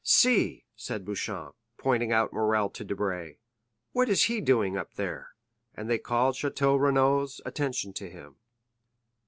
"See," said Beauchamp, pointing out Morrel to Debray. "What is he doing up there?" And they called Château Renaud's attention to him.